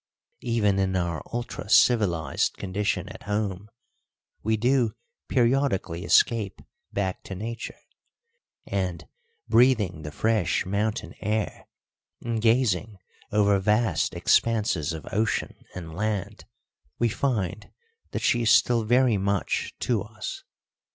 Even in our ultra civilised condition at home we do periodically escape back to nature; and, breathing the fresh mountain air and gazing over vast expanses of ocean and land, we find that she is still very much to us.